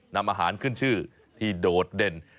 นำอาหารขึ้นชื่อที่โดดเด่น